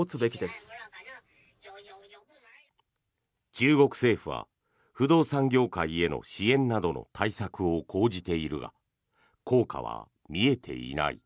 中国政府は不動産業界への支援などの対策を講じているが効果は見えていない。